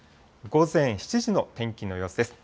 午前７時の天気の様子です。